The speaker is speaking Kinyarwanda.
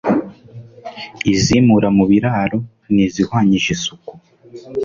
Izimura mu biraro Ni izihwanije isuku